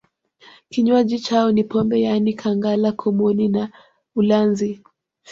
Kinywaji chao ni pombe yaani kangala komoni na ulanzi